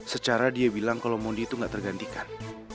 secara dia bilang kalau mondi itu gak tergantikan